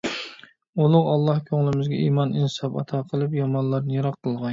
ئۇلۇغ ئاللاھ كۆڭلىمىزگە ئىمان، ئىنساب ئاتا قىلىپ، يامانلاردىن يىراق قىلغاي!